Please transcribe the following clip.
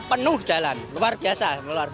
penuh jalan luar biasa